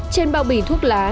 trên bao bì thuốc lá